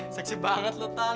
seksi banget lu tan